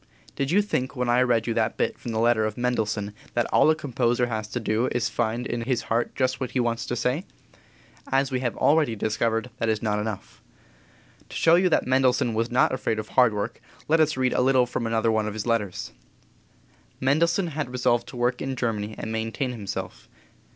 Did you think when I read you that bit from the letter of Mendelssohn that all a composer has to do is to find in his heart just what he wants to say? As we have already discovered, that is not enough. To show you that Mendelssohn was not afraid of hard work let us read a little from another of his letters. Mendelssohn had resolved to work in Germany and maintain himself.